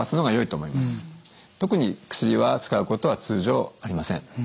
特に薬は使うことは通常ありません。